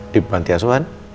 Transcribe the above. di pantai asuhan